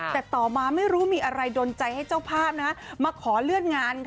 แต่ต่อมาไม่รู้มีอะไรดนใจให้เจ้าภาพมาขอเลื่อนงานค่ะ